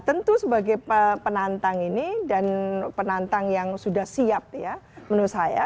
tentu sebagai penantang ini dan penantang yang sudah siap ya menurut saya